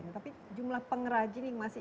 tapi jumlah pengrajin yang masih